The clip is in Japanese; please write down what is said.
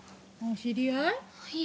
知り合い？